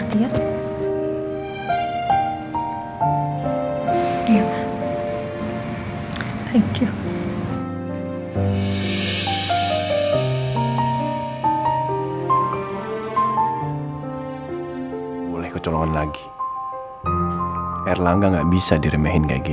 dia cuma memimpin kamu